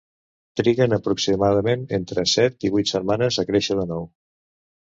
Triguen aproximadament entre set i vuit setmanes a créixer de nou.